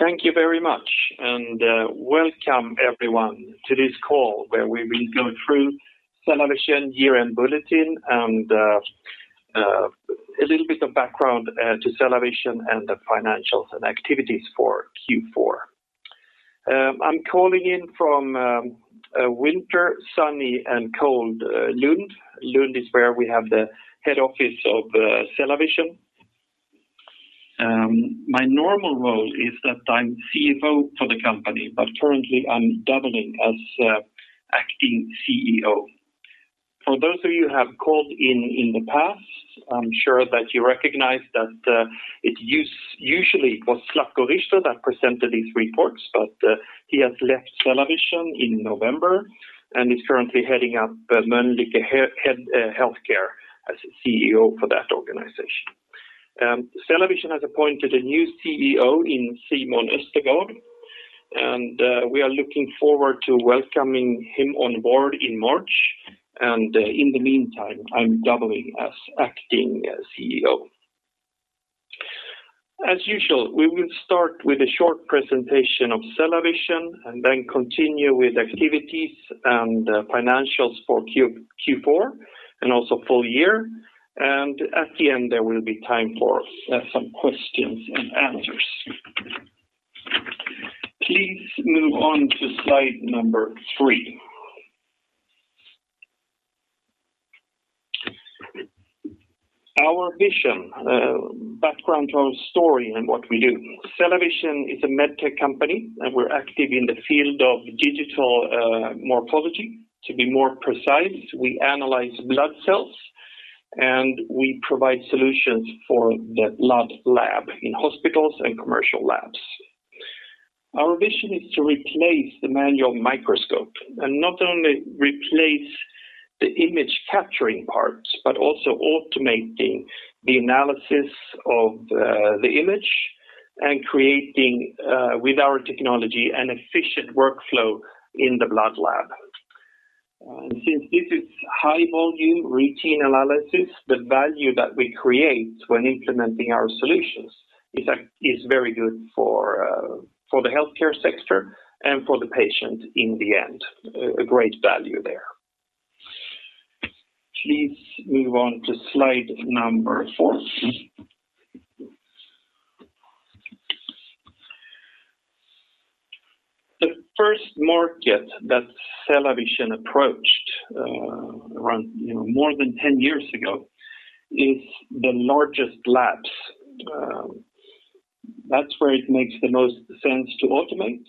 Thank you very much. Welcome everyone to this call where we will go through CellaVision year-end bulletin and a little bit of background to CellaVision and the financial connectivity's for Q4. I'm calling in from a winter sunny and cold Lund. Lund is where we have the head office of CellaVision. My normal role is that I'm CFO for the company. Currently I'm doubling as acting CEO. For those of you who have called in the past, I'm sure that you recognize that it usually was Zlatko Rihter that presented these reports. He has left CellaVision in November and is currently heading up Mölnlycke Health Care as CEO for that organization. CellaVision has appointed a new CEO in Simon Østergaard. We are looking forward to welcoming him on board in March. In the meantime, I'm doubling as acting CEO. As usual, we will start with a short presentation of CellaVision and then continue with activities and financials for Q4 and also full year. At the end, there will be time for some questions and answers. Please move on to slide number three. Our vision, background to our story and what we do. CellaVision is a med tech company, and we're active in the field of digital morphology. To be more precise, we analyze blood cells, and we provide solutions for the blood lab in hospitals and commercial labs. Our vision is to replace the manual microscope and not only replace the image capturing parts, but also automating the analysis of the image and creating, with our technology, an efficient workflow in the blood lab. Since this is high volume, routine analysis, the value that we create when implementing our solutions is very good for the healthcare sector and for the patient in the end, a great value there. Please move on to slide number four. The first market that CellaVision approached around more than 10 years ago is the largest labs. That's where it makes the most sense to automate.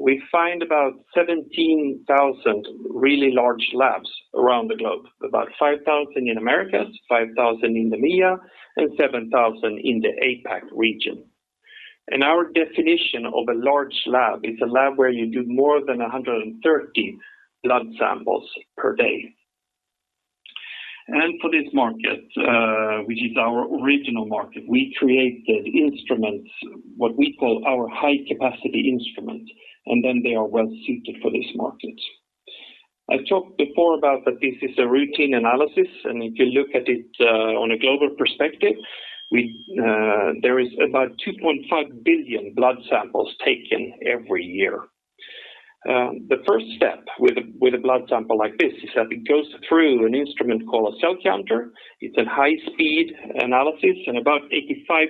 We find about 17,000 really large labs around the globe, about 5,000 in Americas, 5,000 in the EMEA, and 7,000 in the APAC region. Our definition of a large lab is a lab where you do more than 130 blood samples per day. For this market, which is our original market, we created instruments, what we call our high-capacity instruments, and then they are well-suited for this market. I talked before about that this is a routine analysis. If you look at it on a global perspective, there is about 2.5 billion blood samples taken every year. The first step with a blood sample like this is that it goes through an instrument called a cell counter. It's a high-speed analysis. About 85%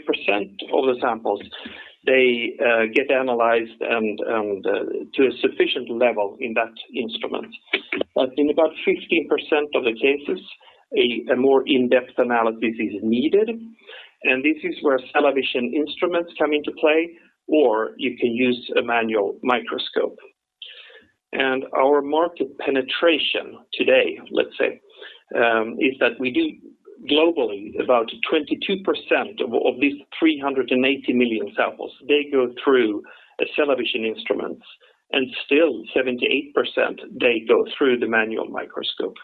of the samples, they get analyzed and to a sufficient level in that instrument. In about 15% of the cases, a more in-depth analysis is needed, and this is where CellaVision instruments come into play, or you can use a manual microscope. Our market penetration today, let's say, is that we do globally, about 22% of these 380 million samples, they go through a CellaVision instruments, and still 78%, they go through the manual microscope.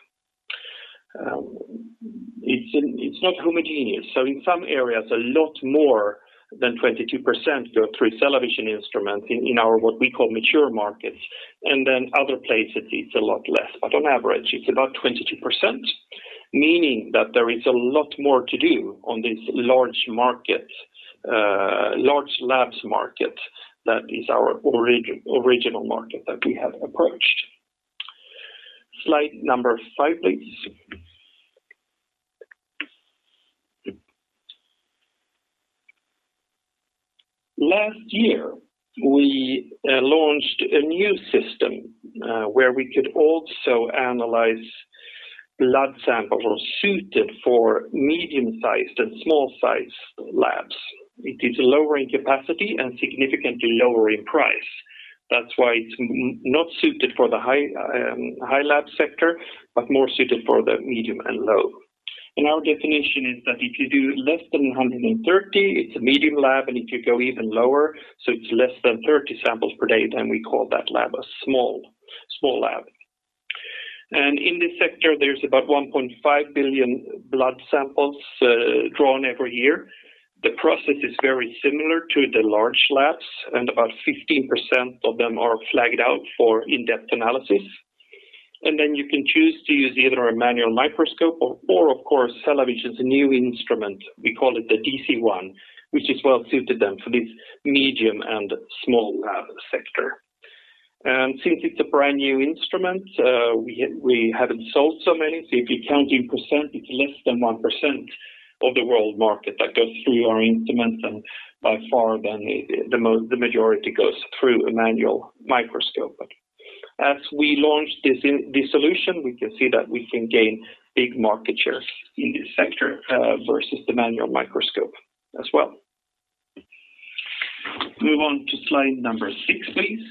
It's not homogeneous. In some areas, a lot more than 22% go through CellaVision instruments in our, what we call mature markets, and then other places, it's a lot less. On average, it's about 22%, meaning that there is a lot more to do on these large labs market that is our original market that we have approached. Slide number five, please. Last year, we launched a new system, where we could also analyze blood samples more suited for medium-sized and small-sized labs. It is lower in capacity and significantly lower in price. That's why it's not suited for the high lab sector, but more suited for the medium and low. Our definition is that if you do less than 130, it's a medium lab, and if you go even lower, so it's less than 30 samples per day, then we call that lab a small lab. In this sector, there's about 1.5 billion blood samples drawn every year. The process is very similar to the large labs, and about 15% of them are flagged out for in-depth analysis. Then you can choose to use either a manual microscope or, of course, CellaVision's new instrument, we call it the DC-1, which is well-suited then for this medium and small lab sector. Since it's a brand-new instrument, we haven't sold so many. If you count in percent, it's less than 1% of the world market that goes through our instruments, and by far, the majority goes through a manual microscope. As we launch this solution, we can see that we can gain big market share in this sector versus the manual microscope as well. Move on to slide number six, please.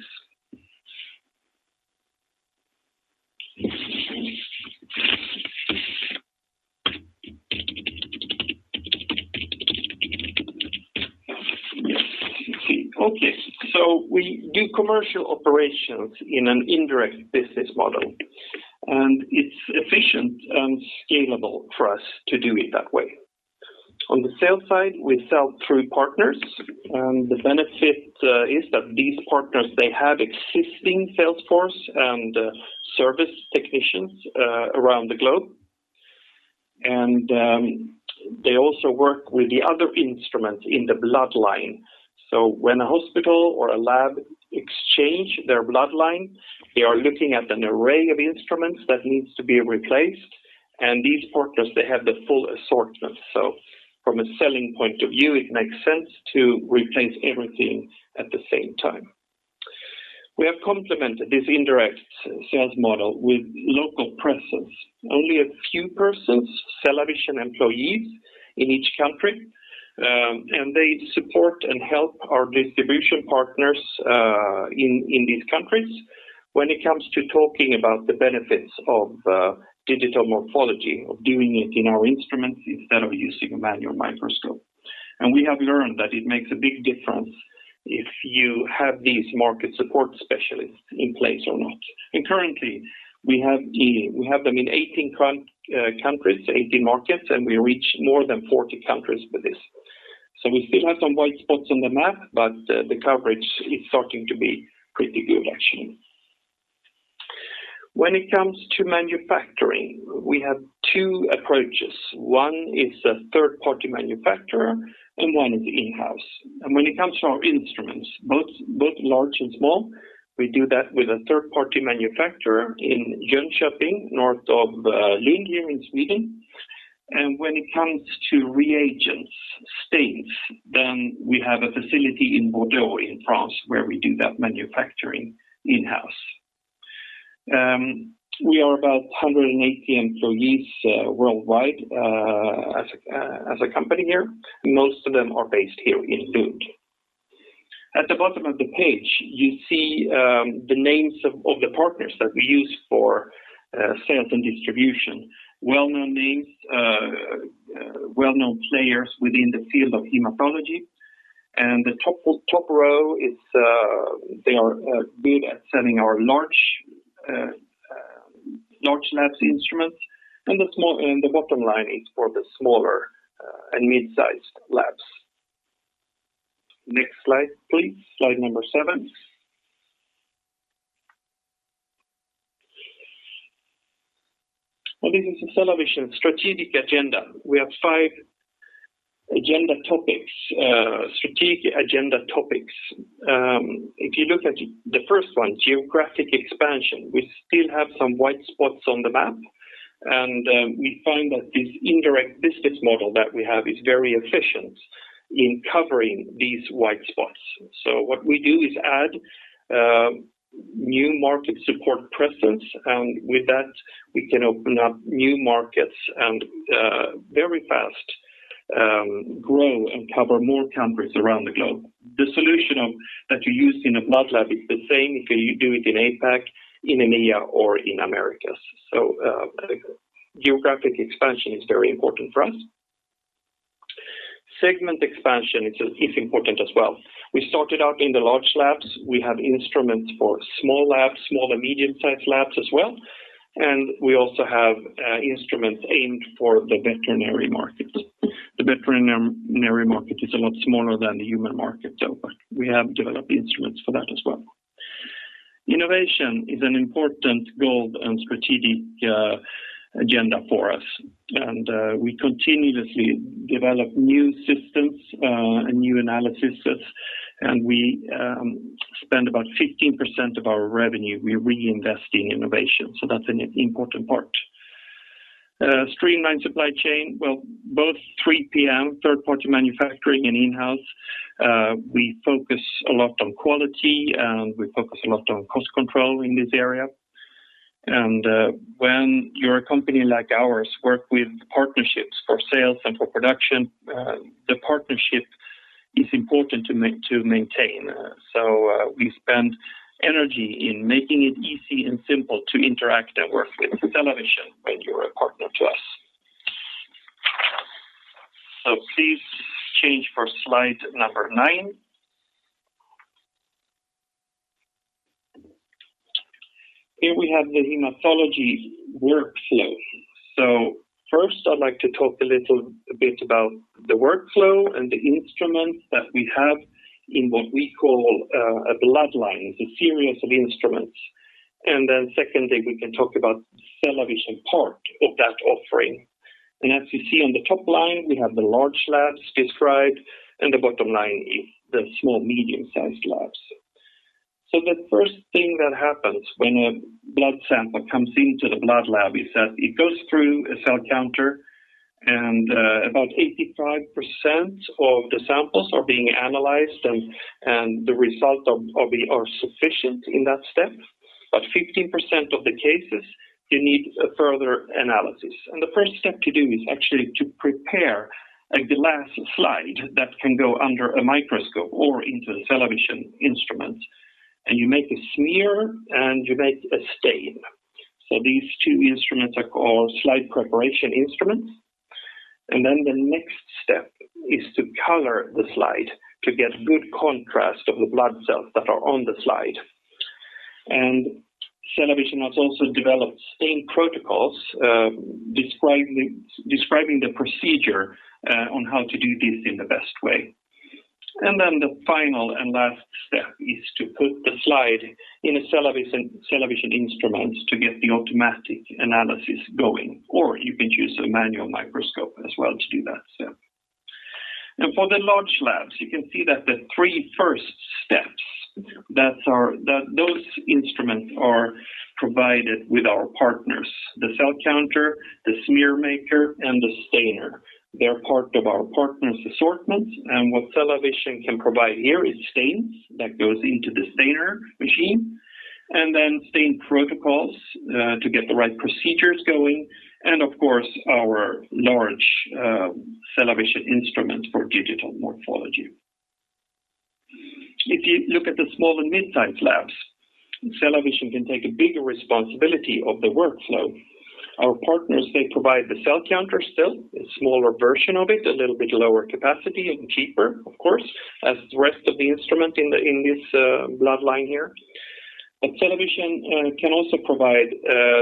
Okay, we do commercial operations in an indirect business model, and it's efficient and scalable for us to do it that way. On the sales side, we sell through partners, the benefit is that these partners, they have existing sales force and service technicians around the globe. They also work with the other instruments in the blood line. When a hospital or a lab exchange their blood line, they are looking at an array of instruments that needs to be replaced, these partners, they have the full assortment. From a selling point of view, it makes sense to replace everything at the same time. We have complemented this indirect sales model with local presence. Only a few persons, CellaVision employees in each country, they support and help our distribution partners in these countries when it comes to talking about the benefits of digital morphology, of doing it in our instruments instead of using a manual microscope. We have learned that it makes a big difference if you have these market support specialists in place or not. Currently, we have them in 18 countries, 18 markets, and we reach more than 40 countries with this. We still have some white spots on the map, but the coverage is starting to be pretty good, actually. When it comes to manufacturing, we have two approaches. One is a third-party manufacturer, and one is in-house. When it comes to our instruments, both large and small, we do that with a third-party manufacturer in Jönköping, north of Lund in Sweden. When it comes to reagents, stains, then we have a facility in Bordeaux, in France, where we do that manufacturing in-house. We are about 180 employees worldwide as a company here, and most of them are based here in Lund. At the bottom of the page, you see the names of all the partners that we use for sales and distribution. Well-known names, well-known players within the field of hematology. The top row, they are good at selling our large labs instruments, and the bottom line is for the smaller and mid-sized labs. Next slide, please. Slide number seven. Well, this is the CellaVision strategic agenda. We have five strategic agenda topics. If you look at the first one, geographic expansion, we still have some white spots on the map, and we find that this indirect business model that we have is very efficient in covering these white spots. What we do is add new market support presence, and with that, we can open up new markets and very fast grow and cover more countries around the globe. The solution that you use in a blood lab is the same if you do it in APAC, in EMEA, or in Americas. Geographic expansion is very important for us. Segment expansion is important as well. We started out in the large labs. We have instruments for small labs, small and medium-sized labs as well, and we also have instruments aimed for the veterinary market. The veterinary market is a lot smaller than the human market, we have developed instruments for that as well. Innovation is an important goal and strategic agenda for us, we continuously develop new systems, and new analysis systems, and we spend about 15% of our revenue, we're reinvesting innovation. That's an important part. Streamlined supply chain, well, both 3PM, third-party manufacturing, and in-house, we focus a lot on quality, and we focus a lot on cost control in this area. When you're a company like ours, work with partnerships for sales and for production, the partnership is important to maintain. We spend energy in making it easy and simple to interact and work with CellaVision when you're a partner to us. Please change for slide number nine. Here we have the hematology workflow. First, I'd like to talk a little bit about the workflow and the instruments that we have in what we call a blood line, it's a series of instruments. Secondly, we can talk about CellaVision part of that offering. As you see on the top line, we have the large labs described, and the bottom line is the small medium-sized labs. The first thing that happens when a blood sample comes into the blood lab is that it goes through a cell counter and about 85% of the samples are being analyzed and the result are sufficient in that step. 15% of the cases, you need a further analysis. The first step to do is actually to prepare a glass slide that can go under a microscope or into the CellaVision instrument, and you make a smear and you make a stain. These two instruments are called slide preparation instruments. Then the next step is to color the slide to get good contrast of the blood cells that are on the slide. CellaVision has also developed staining protocols, describing the procedure on how to do this in the best way. Then the final and last step is to put the slide in a CellaVision instrument to get the automatic analysis going. You could use a manual microscope as well to do that. For the large labs, you can see that the three first steps, those instruments are provided with our partners, the cell counter, the smear maker, and the stainer. They're part of our partners' assortment. What CellaVision can provide here is stains that goes into the stainer machine, and then stain protocols, to get the right procedures going. Of course, our large CellaVision instrument for digital morphology. If you look at the small and mid-size labs, CellaVision can take a bigger responsibility of the workflow. Our partners, they provide the cell counter still, a smaller version of it, a little bit lower capacity and cheaper, of course, as the rest of the instrument in this blood line here. CellaVision can also provide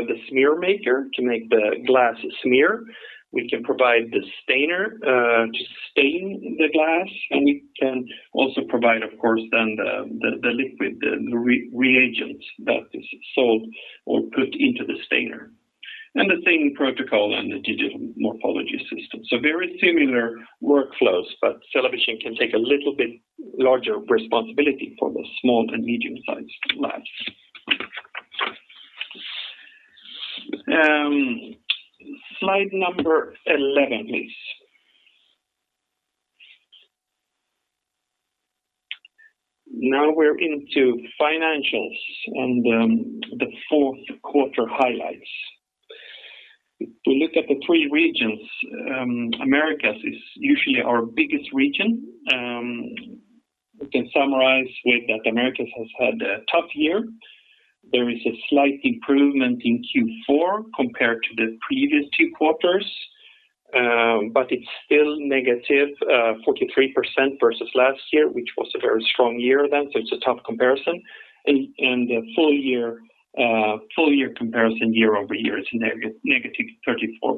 the smear maker to make the glass smear. We can provide the stainer, to stain the glass, and we can also provide, of course, then the liquid, the reagent that is sold or put into the stainer, and the stain protocol and the digital morphology system. Very similar workflows, but CellaVision can take a little bit larger responsibility for the small and medium-sized labs. Slide number 11, please. We're into financials and the fourth quarter highlights. We look at the three regions, Americas is usually our biggest region. We can summarize with that Americas has had a tough year. There is a slight improvement in Q4 compared to the previous two quarters. It's still negative, 43% versus last year, which was a very strong year then, so it's a tough comparison. The full year comparison year-over-year is negative 34%.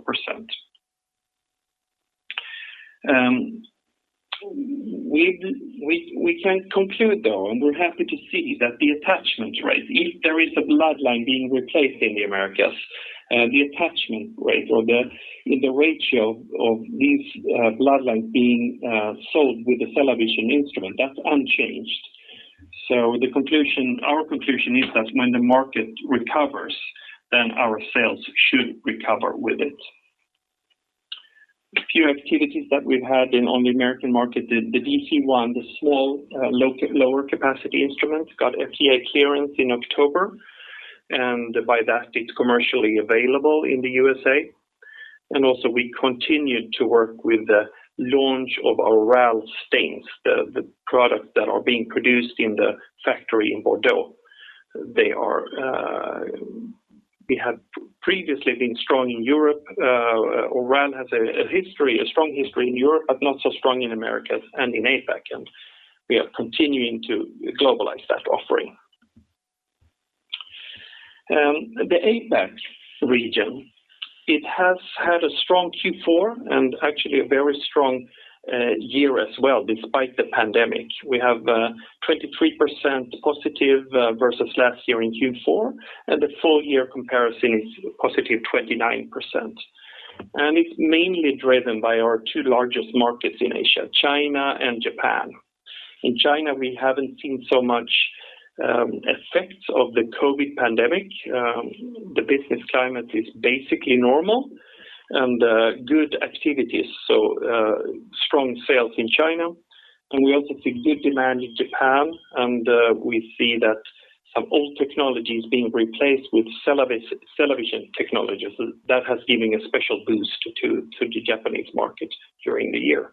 We can conclude, though, and we're happy to see that the attachment rate, if there is a blood line being replaced in the Americas, the attachment rate or the ratio of these blood lines being sold with the CellaVision instrument, that's unchanged. Our conclusion is that when the market recovers, then our sales should recover with it. A few activities that we've had on the U.S. market, the DC-1, the small lower capacity instrument, got FDA clearance in October, and by that it's commercially available in the U.S. We continued to work with the launch of RAL stains, the product that are being produced in the factory in Bordeaux. We have previously been strong in Europe. RAL has a strong history in Europe, but not so strong in Americas and in APAC, and we are continuing to globalize that offering. The APAC region, it has had a strong Q4 and actually a very strong year as well despite the pandemic. We have 23% positive, versus last year in Q4, and the full year comparison is positive 29%. It's mainly driven by our two largest markets in Asia, China and Japan. In China, we haven't seen so much effects of the COVID pandemic. The business climate is basically normal and good activities, so strong sales in China. We also see good demand in Japan, and we see that some old technology is being replaced with CellaVision technology. That has given a special boost to the Japanese market during the year.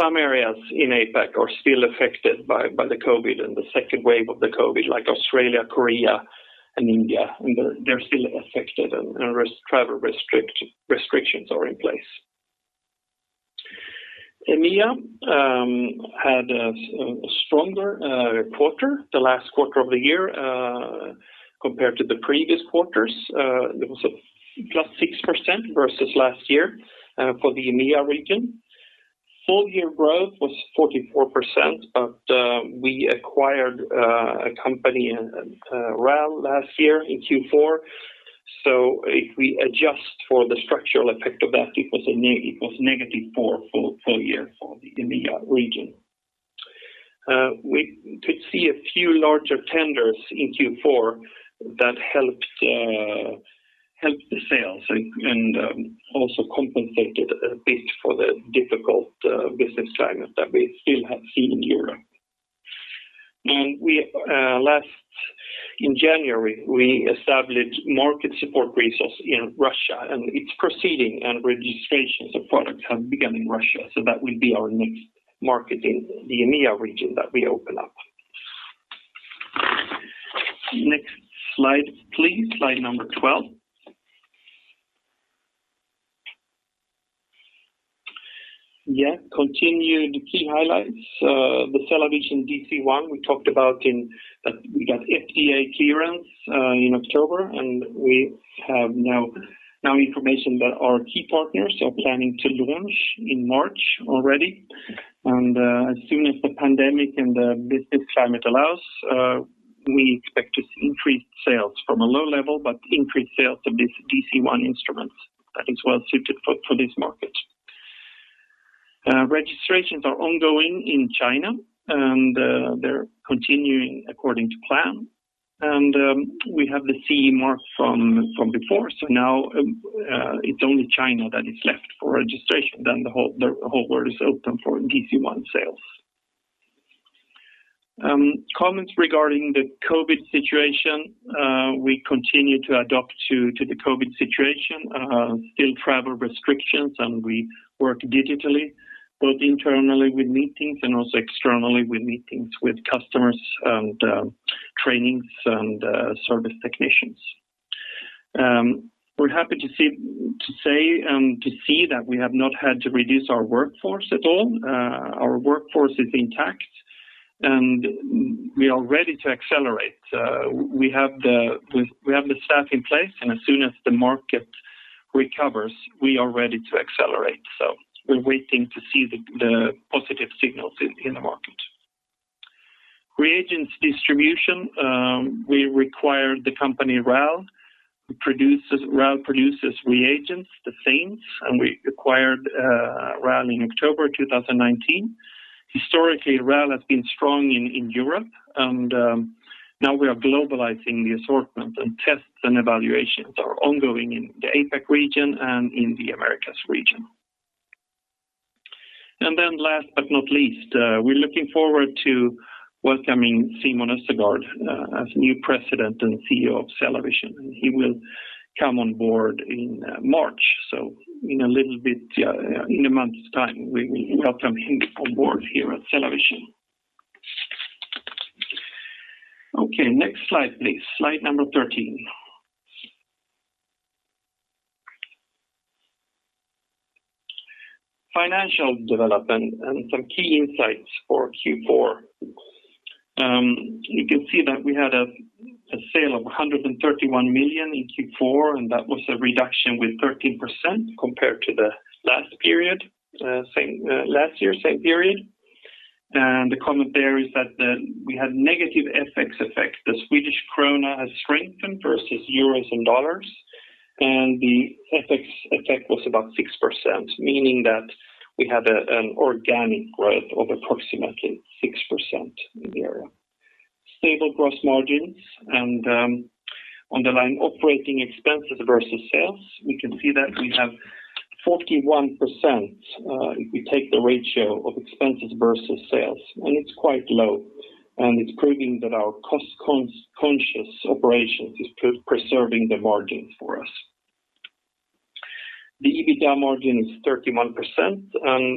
Some areas in APAC are still affected by the COVID and the second wave of the COVID, like Australia, Korea, and India, and they're still affected and travel restrictions are in place. EMEA had a stronger quarter, the last quarter of the year, compared to the previous quarters. There was a +6% versus last year for the EMEA region. Full-year growth was 44%, but we acquired a company, RAL, last year in Q4. If we adjust for the structural effect of that, it was negative four full year for the EMEA region. We could see a few larger tenders in Q4 that helped the sales and also compensated a bit for the difficult business climate that we still have seen in Europe. In January, we established market support resource in Russia, and it's proceeding, and registrations of products have begun in Russia. That will be our next market in the EMEA region that we open up. Next slide, please. Slide number 12. Yeah. Continued key highlights. The CellaVision DC-1 we talked about, we got FDA clearance in October, and we have now information that our key partners are planning to launch in March already. As soon as the pandemic and the business climate allows, we expect to see increased sales from a low level, but increased sales of DC-1 instruments that is well suited for this market. Registrations are ongoing in China and they're continuing according to plan. We have the CE mark from before, so now it's only China that is left for registration. The whole world is open for DC-1 sales. Comments regarding the COVID situation. We continue to adapt to the COVID situation. Still travel restrictions, and we work digitally, both internally with meetings and also externally with meetings with customers and trainings and service technicians. We're happy to say and to see that we have not had to reduce our workforce at all. Our workforce is intact, and we are ready to accelerate. We have the staff in place, and as soon as the market recovers, we are ready to accelerate. We're waiting to see the positive signals in the market. Reagents distribution. We acquired the company RAL. RAL produces reagents, the stains, and we acquired RAL in October 2019. Historically, RAL has been strong in Europe, and now we are globalizing the assortment, and tests and evaluations are ongoing in the APAC region and in the Americas region. Last but not least, we're looking forward to welcoming Simon Østergaard as new president and CEO of CellaVision, and he will come on board in March. In a month's time, we will welcome him on board here at CellaVision. Okay, next slide, please. Slide number 13. Financial development and some key insights for Q4. You can see that we had a sale of 131 million in Q4, that was a reduction with 13% compared to the last year, same period. The comment there is that we had negative FX effect. The Swedish krona has strengthened versus euros and dollars, the FX effect was about 6%, meaning that we had an organic growth of approximately 6% in the area. Stable gross margins and underlying operating expenses versus sales. We can see that we have 41% if we take the ratio of expenses versus sales, it's quite low, it's proving that our cost-conscious operations is preserving the margin for us. The EBITDA margin is 31%,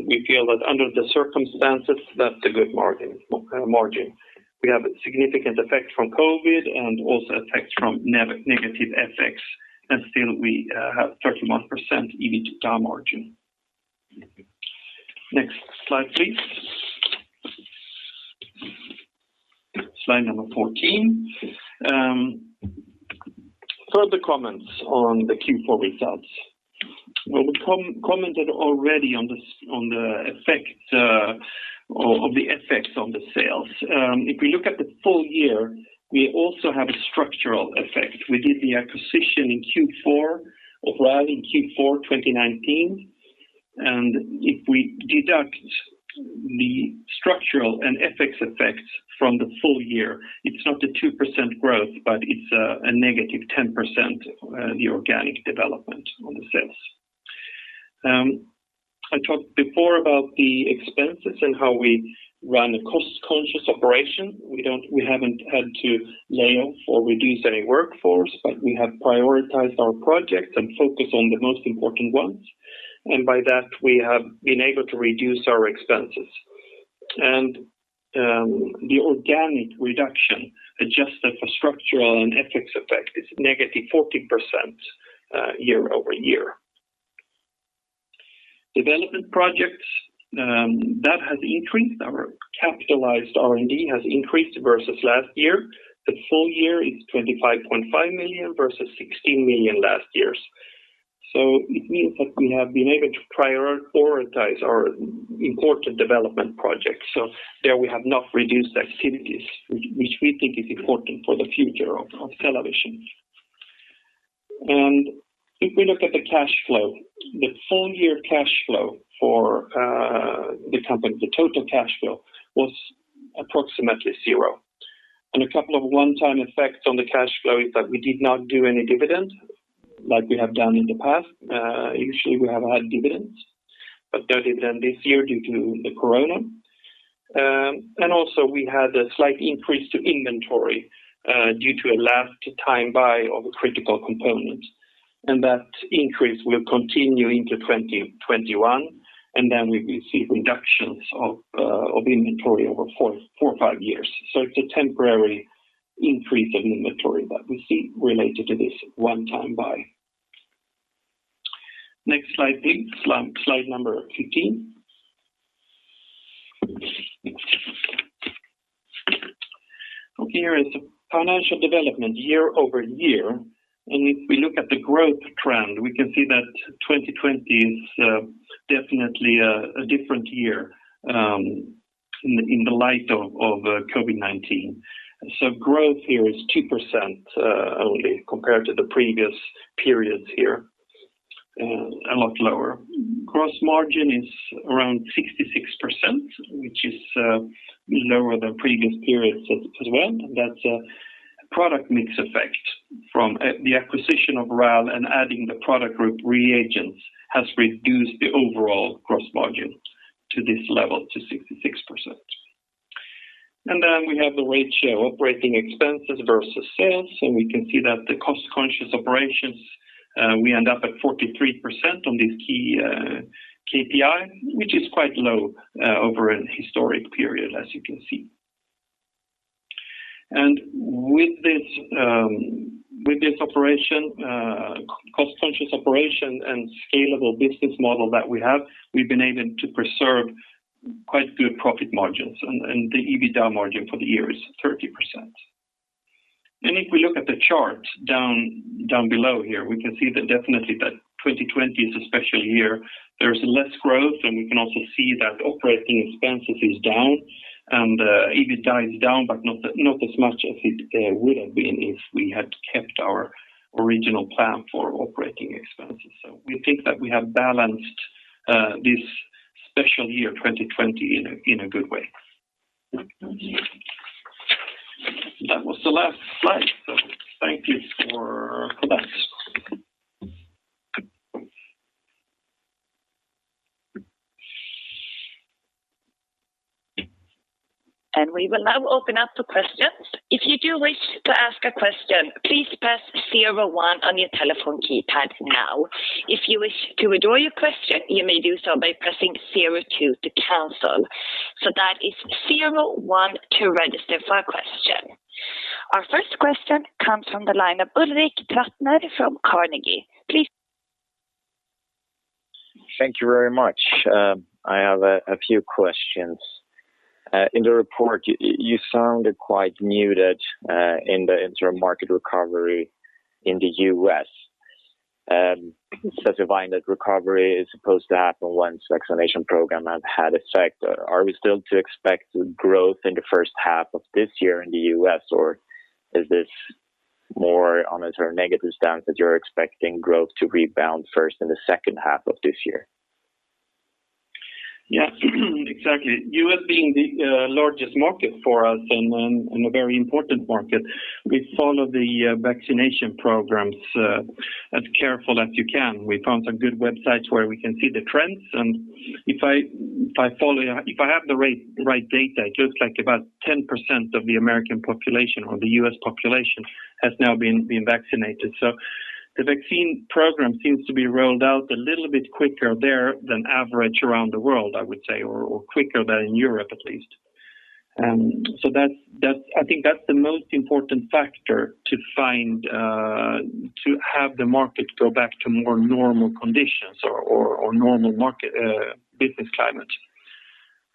we feel that under the circumstances, that's a good margin. We have a significant effect from COVID also effects from negative FX, still we have 31% EBITDA margin. Next slide, please. Slide number 14. Further comments on the Q4 results. Well, we commented already on the effect of the FX on the sales. If we look at the full year, we also have a structural effect. We did the acquisition in Q4 of RAL in Q4 2019, and if we deduct the structural and FX effects from the full year, it's not a 2% growth, but it's a -10% the organic development on the sales. I talked before about the expenses and how we run a cost-conscious operation. We haven't had to lay off or reduce any workforce, but we have prioritized our projects and focused on the most important ones, and by that, we have been able to reduce our expenses. The organic reduction adjusted for structural and FX effect is -14% year-over-year. Development projects, that has increased. Our capitalized R&D has increased versus last year. The full year is 25.5 million versus 16 million last year's. It means that we have been able to prioritize our important development projects. There we have not reduced activities, which we think is important for the future of CellaVision. If we look at the cash flow, the full year cash flow for the company, the total cash flow was approximately zero. A couple of one-time effects on the cash flow is that we did not do any dividend like we have done in the past. Usually, we have had dividends, but no dividend this year due to the COVID. Also we had a slight increase to inventory due to a last-time buy of a critical component. That increase will continue into 2021, and then we will see reductions of inventory over four, five years. It's a temporary increase in inventory that we see related to this one-time buy. Next slide, please. Slide number 15. Here is the financial development year-over-year. If we look at the growth trend, we can see that 2020 is definitely a different year in the light of COVID-19. Growth here is 2% only compared to the previous periods here. A lot lower. Gross margin is around 66%, which is lower than previous periods as well. That's a product mix effect from the acquisition of RAL and adding the product group reagents has reduced the overall gross margin to this level, to 66%. Then we have the ratio operating expenses versus sales. We can see that the cost-conscious operations, we end up at 43% on this key KPI, which is quite low over an historic period as you can see. With this cost-conscious operation and scalable business model that we have, we've been able to preserve quite good profit margins. The EBITDA margin for the year is 30%. If we look at the chart down below here, we can see definitely that 2020 is a special year. There's less growth, and we can also see that operating expenses is down and EBITDA is down, but not as much as it would've been if we had kept our original plan for operating expenses. We think that we have balanced this special year, 2020, in a good way. That was the last slide. Thank you for that. We will now open up for questions. If you do wish to ask a question, please press zero one on your telephone keypad now. If you wish to withdraw your question, you may do so by pressing zero two to cancel. So, that is zero one to register for question. Our first question comes from the line of Ulrik Trattner from Carnegie. Thank you very much. I have a few questions. In the report, you sounded quite muted in the interim market recovery in the U.S., specifying that recovery is supposed to happen once vaccination program have had effect. Are we still to expect growth in the first half of this year in the U.S., or is this more on a negative stance that you're expecting growth to rebound first in the second half of this year? Yes. Exactly. U.S. being the largest market for us and a very important market. We follow the vaccination programs as careful as you can. We found some good websites where we can see the trends. If I have the right data, it looks like about 10% of the American population or the U.S. population has now been vaccinated. The vaccine program seems to be rolled out a little bit quicker there than average around the world, I would say, or quicker than in Europe at least. I think that's the most important factor to have the market go back to more normal conditions or normal business climate.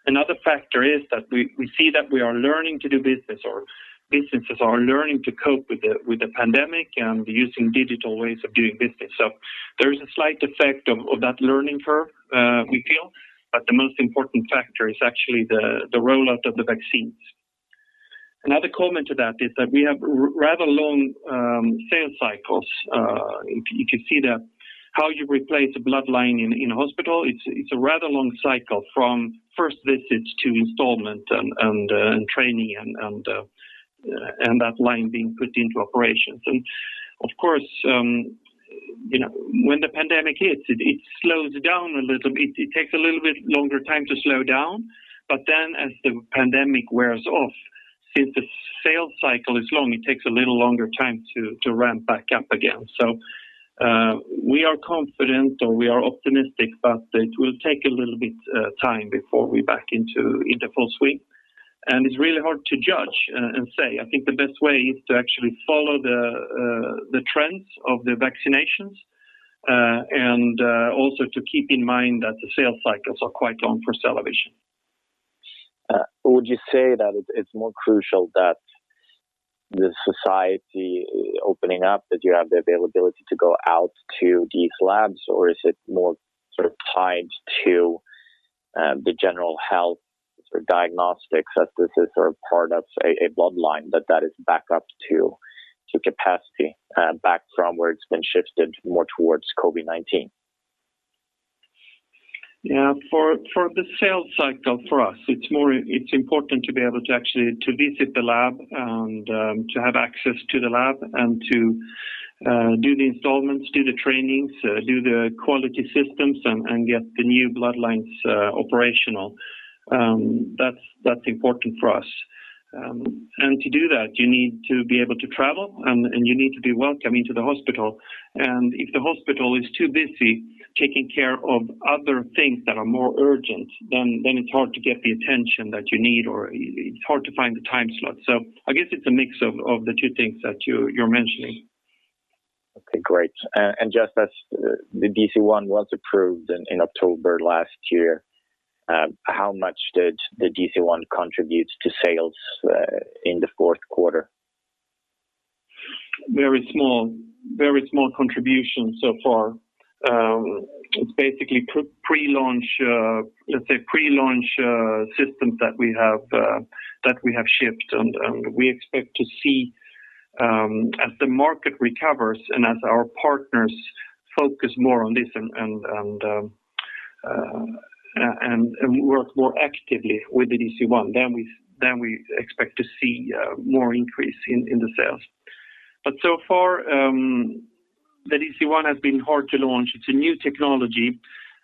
Another factor is that we see that we are learning to do business, or businesses are learning to cope with the pandemic and using digital ways of doing business. There is a slight effect of that learning curve, we feel, but the most important factor is actually the rollout of the vaccines. Another comment to that is that we have rather long sales cycles. You can see that how you replace a blood line in a hospital, it is a rather long cycle from first visit to installment and training and that line being put into operation. Of course, when the pandemic hits, it slows down a little bit, it takes a little bit longer time to slow down, but then as the pandemic wears off. Since the sales cycle is long, it takes a little longer time to ramp back up again. We are confident, or we are optimistic, but it will take a little bit time before we are back into full swing, and it is really hard to judge and say. I think the best way is to actually follow the trends of the vaccinations, and also to keep in mind that the sales cycles are quite long for CellaVision. Would you say that it's more crucial that the society opening up, that you have the availability to go out to these labs, or is it more tied to the general health for diagnostics, as this is part of a blood line that is back up to capacity, back from where it's been shifted more towards COVID-19? Yeah. For the sales cycle for us, it's important to be able to actually visit the lab and to have access to the lab and to do the installments, do the trainings, do the quality systems, and get the new blood lines operational. That's important for us. To do that, you need to be able to travel, and you need to be welcome into the hospital. If the hospital is too busy taking care of other things that are more urgent, then it's hard to get the attention that you need, or it's hard to find the time slot. I guess it's a mix of the two things that you're mentioning. Okay, great. Just as the DC-1 was approved in October last year, how much did the DC-1 contribute to sales in the fourth quarter? Very small contribution so far. It's basically pre-launch systems that we have shipped, and we expect to see as the market recovers and as our partners focus more on this and work more actively with the DC-1, then we expect to see more increase in the sales. So far, the DC-1 has been hard to launch. It's a new technology,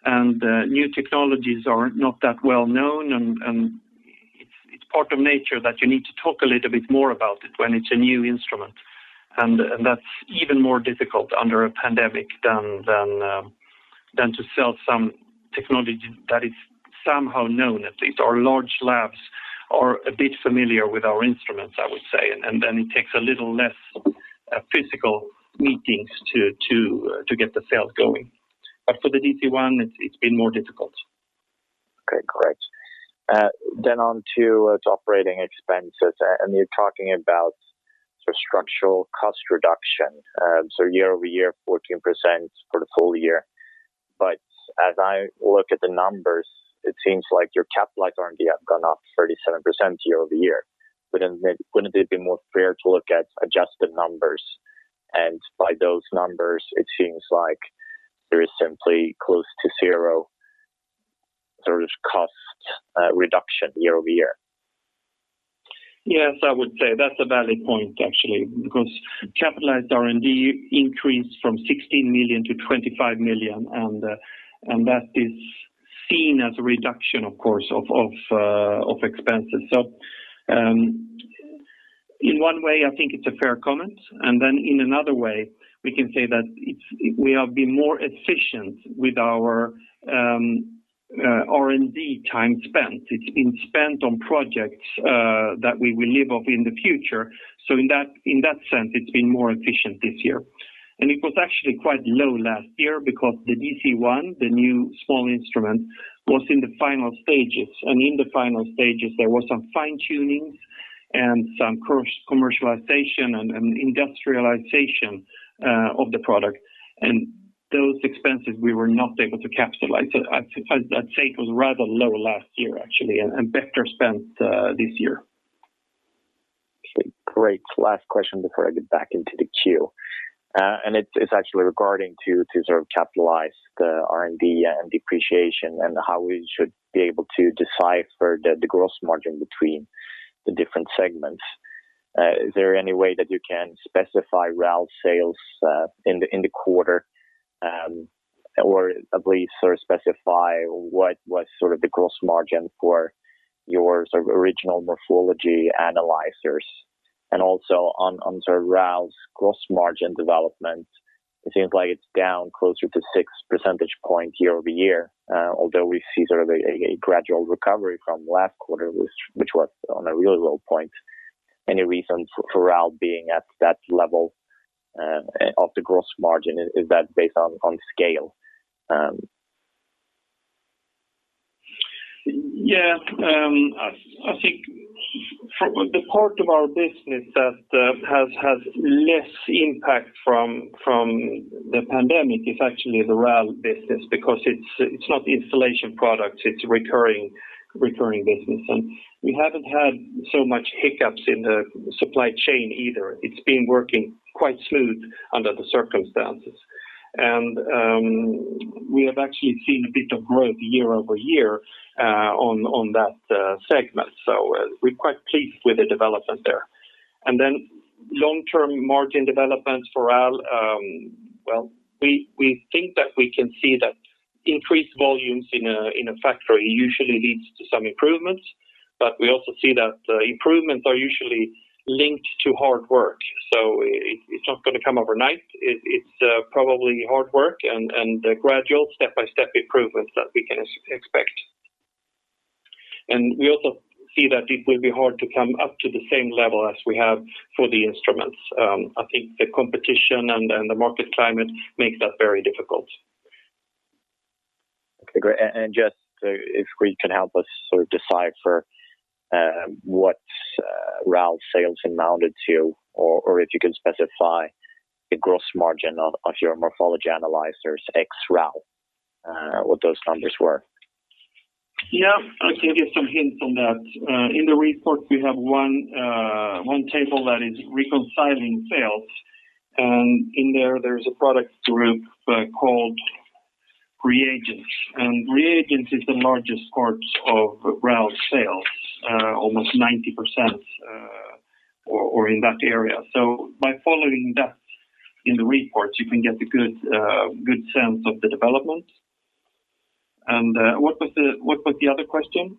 and new technologies are not that well-known, and it's part of nature that you need to talk a little bit more about it when it's a new instrument. That's even more difficult under a pandemic than to sell some technology that is somehow known, at least our large labs are a bit familiar with our instruments, I would say. It takes a little less physical meetings to get the sales going. For the DC-1, it's been more difficult. Okay, great. On to its operating expenses, you're talking about structural cost reduction. Year-over-year, 14% for the full year. As I look at the numbers, it seems like your capitalized R&D have gone up 37% year-over-year. Wouldn't it be more fair to look at adjusted numbers? By those numbers, it seems like there is simply close to zero. There is cost reduction year-over-year. Yes, I would say that's a valid point, actually, because capitalized R&D increased from 16 million to 25 million, and that is seen as a reduction, of course, of expenses. In one way, I think it's a fair comment, and then in another way, we can say that we have been more efficient with our R&D time spent. It's been spent on projects that we will live off in the future. In that sense, it's been more efficient this year. It was actually quite low last year because the DC-1, the new small instrument, was in the final stages. In the final stages, there was some fine-tuning and some commercialization and industrialization of the product. Those expenses, we were not able to capitalize. I'd say it was rather low last year, actually, and better spent this year. Okay, great. Last question before I get back into the queue. It's actually regarding to capitalized R&D and depreciation and how we should be able to decipher the gross margin between the different segments. Is there any way that you can specify RAL sales in the quarter, or at least specify what was the gross margin for your original morphology analyzers? Also, on RAL's gross margin development, it seems like it's down closer to six percentage points year-over-year, although we see a gradual recovery from last quarter, which was on a really low point. Any reason for RAL being at that level of the gross margin? Is that based on scale? I think the part of our business that has had less impact from the pandemic is actually the RAL business because it's not installation product, it's recurring business. We haven't had so much hiccups in the supply chain either. It's been working quite smooth under the circumstances. We have actually seen a bit of growth year-over-year on that segment. We're quite pleased with the development there. Long-term margin developments for RAL, well, we think that we can see that increased volumes in a factory usually leads to some improvements, but we also see that improvements are usually linked to hard work. It's not going to come overnight. It's probably hard work and gradual step-by-step improvements that we can expect. We also see that it will be hard to come up to the same level as we have for the instruments. I think the competition and the market climate makes that very difficult. Okay, great. Just if you can help us sort of decipher what RAL sales amounted to, or if you can specify the gross margin of your morphology analyzers ex RAL, what those numbers were? Yeah, I can give some hints on that. In the report, we have one table that is reconciling sales, and in there's a product group called reagents. Reagents is the largest part of RAL sales, almost 90% or in that area. By following that in the report, you can get a good sense of the development. What was the other question?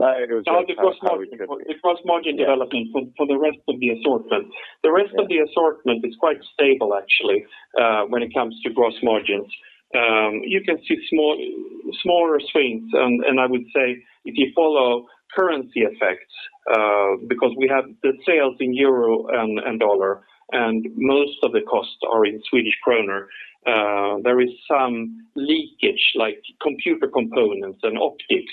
It was- The gross margin development for the rest of the assortment. The rest of the assortment is quite stable actually, when it comes to gross margins. You can see smaller swings. I would say if you follow currency effects, because we have the sales in euro and dollar, and most of the costs are in Swedish krona. There is some leakage, like computer components and optics.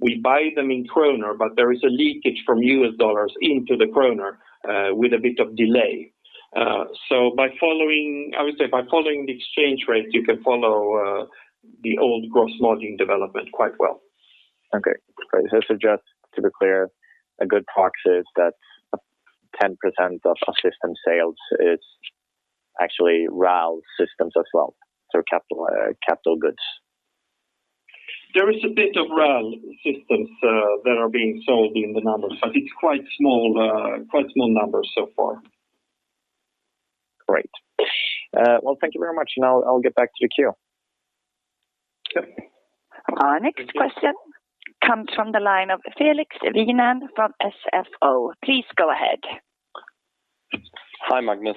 We buy them in krona. There is a leakage from US dollars into the krona, with a bit of delay. I would say by following the exchange rate, you can follow the old gross margin development quite well. Okay, great. Just to be clear, a good proxy is that 10% of system sales is actually RAL systems as well, so capital goods. There is a bit of RAL systems that are being sold in the numbers, but it's quite small numbers so far. Great. Well, thank you very much, and I'll get back to the queue. Okay. Our next question comes from the line of Felix Wienen from SFO. Please go ahead. Hi, Magnus.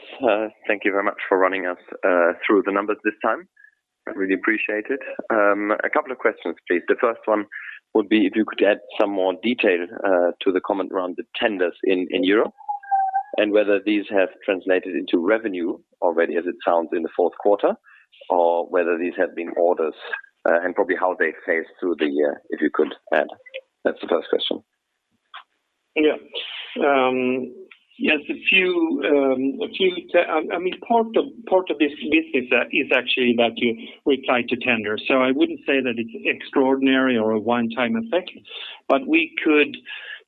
Thank you very much for running us through the numbers this time. I really appreciate it. A couple of questions, please. The first one would be if you could add some more detail to the comment around the tenders in Europe, and whether these have translated into revenue already as it sounds in the fourth quarter, or whether these have been orders, and probably how they phase through the year, if you could add. That's the first question. Yes, part of this business is actually that you reply to tenders. I wouldn't say that it's extraordinary or a one-time effect, but we could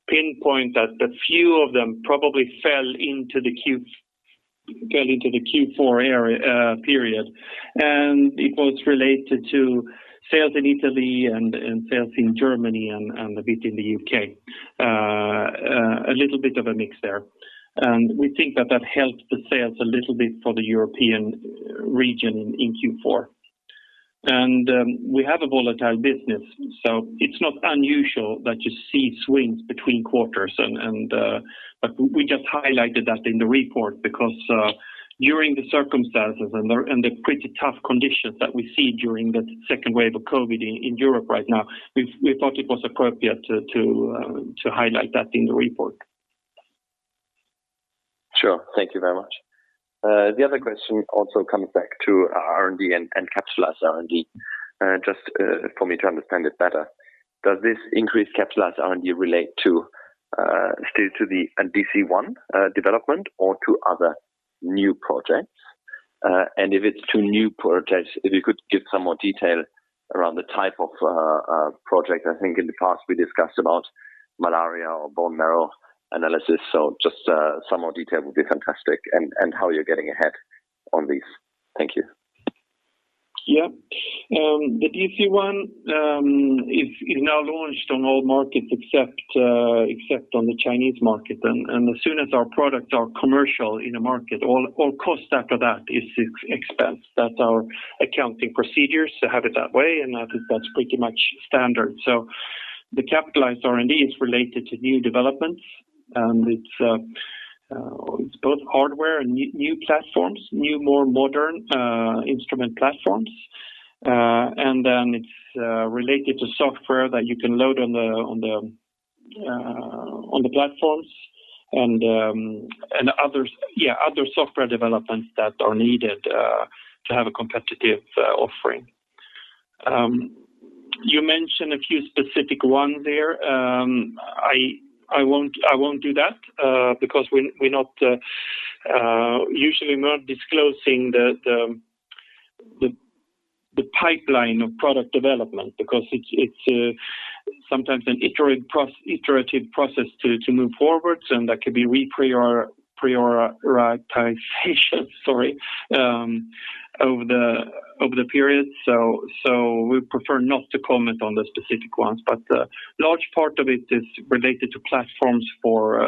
pinpoint that a few of them probably fell into the Q4 period, and it was related to sales in Italy and sales in Germany and a bit in the U.K. A little bit of a mix there. We think that that helped the sales a little bit for the European region in Q4. We have a volatile business, so it's not unusual that you see swings between quarters. We just highlighted that in the report because during the circumstances and the pretty tough conditions that we see during the second wave of COVID in Europe right now, we thought it was appropriate to highlight that in the report. Sure. Thank you very much. The other question also comes back to R&D and capitalized R&D. Just for me to understand it better, does this increased capitalized R&D relate still to the DC-1 development or to other new projects? If it's to new projects, if you could give some more detail around the type of project. I think in the past we discussed about malaria or bone marrow analysis. Just some more detail would be fantastic and how you're getting ahead on these. Thank you. Yeah. The DC-1 is now launched on all markets except on the Chinese market, and as soon as our products are commercial in the market, all cost after that is expense. That's our accounting procedures to have it that way, and I think that's pretty much standard. The capitalized R&D is related to new developments, and it's both hardware and new platforms, new, more modern instrument platforms. Then it's related to software that you can load on the platforms and other software developments that are needed to have a competitive offering. You mentioned a few specific ones there. I won't do that, because usually we're not disclosing the pipeline of product development because it's sometimes an iterative process to move forward, and that could be reprioritization. Sorry. Over the period. We prefer not to comment on the specific ones, but large part of it is related to platforms for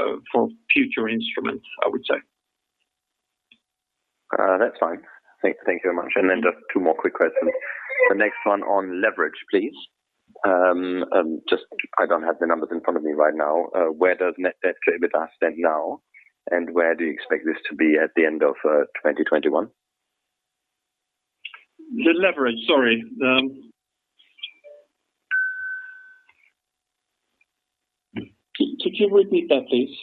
future instruments, I would say. That's fine. Thank you very much. Then just two more quick questions. The next one on leverage, please. I don't have the numbers in front of me right now. Where does net debt to EBITDA stand now, and where do you expect this to be at the end of 2021? The leverage. Sorry. Could you repeat that, please?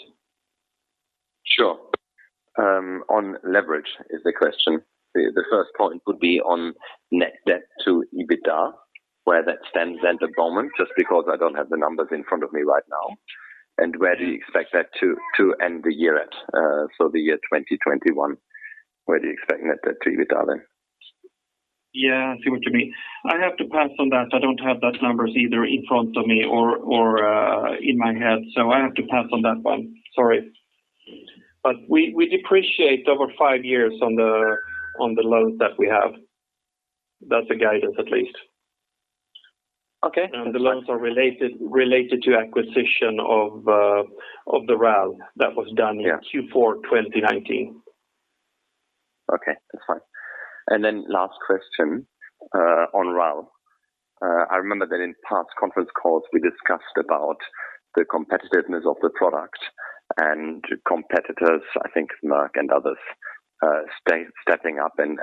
Sure. On leverage is the question. The first point would be on net debt to EBITDA, where that stands at the moment, just because I don't have the numbers in front of me right now. Where do you expect that to end the year at? The year 2021, where do you expect net debt to EBITDA then? Yeah, I see what you mean. I have to pass on that. I don't have that numbers either in front of me or in my head. I have to pass on that one, sorry. We depreciate over five years on the loans that we have. That's the guidance at least. Okay. The loans are related to acquisition of the RAL that was done in Q4 2019. Okay, that's fine. Last question on RAL. I remember that in past conference calls, we discussed about the competitiveness of the product and competitors, I think Merck and others stepping up and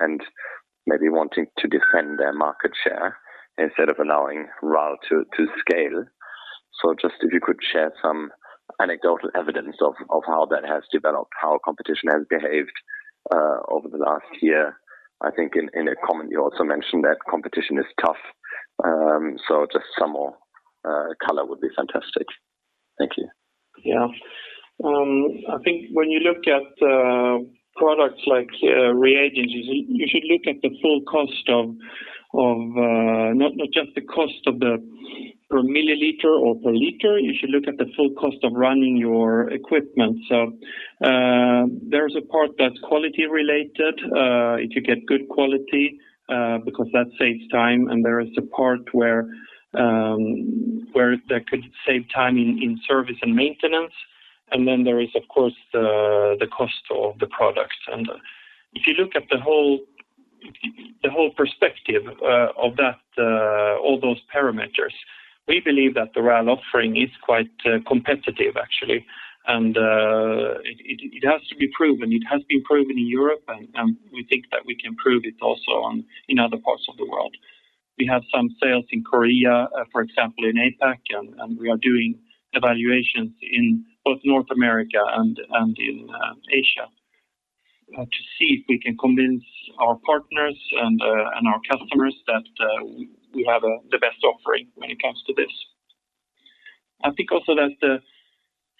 maybe wanting to defend their market share instead of allowing RAL to scale. If you could share some anecdotal evidence of how that has developed, how competition has behaved over the last year. I think in a comment you also mentioned that competition is tough. Some more color would be fantastic. Thank you. I think when you look at products like reagents, you should look at the full cost, not just the cost per milliliter or per liter. You should look at the full cost of running your equipment. There's a part that's quality related, if you get good quality, because that saves time, and there is a part where that could save time in service and maintenance. There is, of course, the cost of the products. If you look at the whole perspective of all those parameters, we believe that the RAL offering is quite competitive actually. It has to be proven. It has been proven in Europe, and we think that we can prove it also in other parts of the world. We have some sales in Korea, for example, in APAC, and we are doing evaluations in both North America and in Asia to see if we can convince our partners and our customers that we have the best offering when it comes to this. I think also that the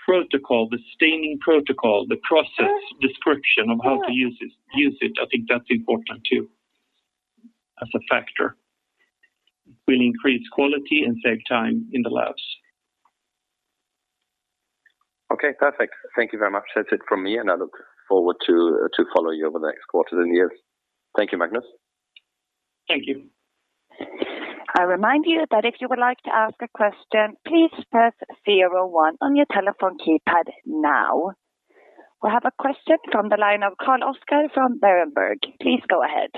protocol, the staining protocol, the process description of how to use it, I think that's important too, as a factor. Will increase quality and save time in the labs. Okay, perfect. Thank you very much. That's it from me. I look forward to follow you over the next quarter and years. Thank you, Magnus. Thank you. I remind you that if you would like to ask a question, please press zero one on your telephone keypad now. We have a question from the line of Karl Oskar from Berenberg. Please go ahead.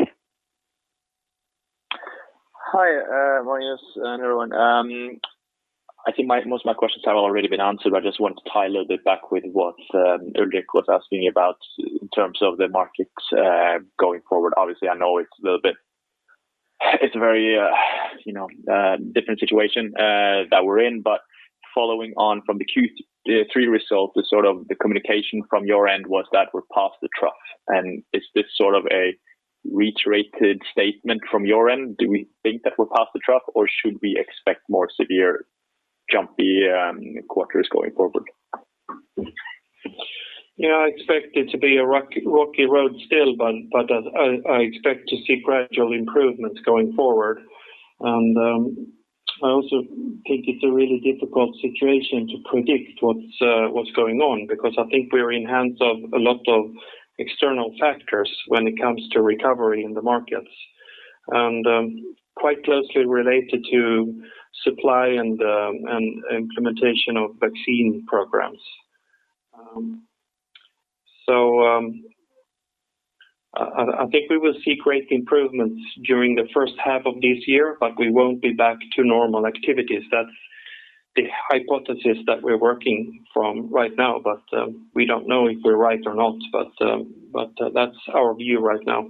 Hi, Magnus and everyone. I think most of my questions have already been answered, but I just wanted to tie a little bit back with what Ulrik was asking about in terms of the markets going forward. Obviously, I know it's a very different situation that we're in, but following on from the Q3 results, the communication from your end was that we're past the trough. Is this sort of a reiterated statement from your end? Do we think that we're past the trough, or should we expect more severe jumpy quarters going forward? Yeah, I expect it to be a rocky road still. I expect to see gradual improvements going forward. I also think it's a really difficult situation to predict what's going on because I think we're in hands of a lot of external factors when it comes to recovery in the markets, and quite closely related to supply and implementation of vaccine programs. I think we will see great improvements during the first half of this year. We won't be back to normal activities. That's the hypothesis that we're working from right now. We don't know if we're right or not. That's our view right now.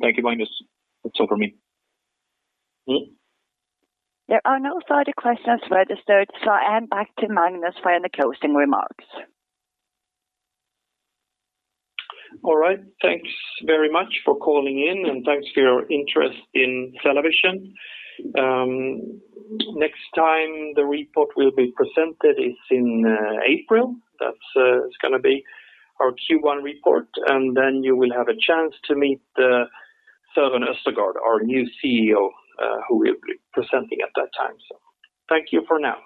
Thank you, Magnus. That's all from me. There are no further questions registered, so I hand back to Magnus for any closing remarks. All right. Thanks very much for calling in, and thanks for your interest in CellaVision. Next time the report will be presented is in April. That's going to be our Q1 report, and then you will have a chance to meet Simon Østergaard, our new CEO, who will be presenting at that time. Thank you for now.